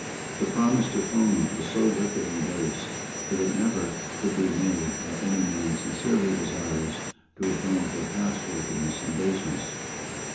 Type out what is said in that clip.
The promised atonement was so wicked and base that it never could be made by any man sincerely desirous to atone for past wickedness and baseness.